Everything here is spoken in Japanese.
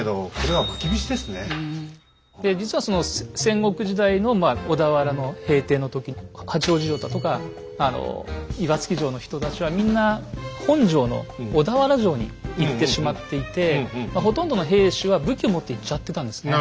で実はその戦国時代の小田原の平定の時に八王子城だとかあの岩槻城の人たちはみんな本城の小田原城に行ってしまっていてまあほとんどの兵士は武器を持って行っちゃってたんですね。